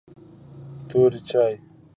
توري چای